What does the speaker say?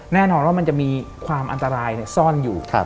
แน่นอนว่ามันจะมีความอันตรายซ่อนอยู่